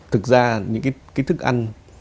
thực ra những cái thức ăn